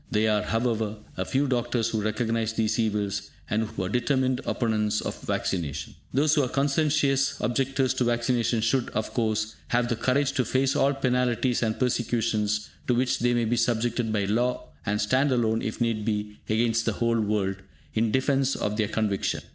There are, however, a few doctors who recognise these evils, and who are determined opponents of vaccination. Those who are conscientious objectors to vaccination should, of course, have the courage to face all penalties or persecutions to which they may be subjected by law, and stand alone, if need be, against the whole world, in defence of their conviction.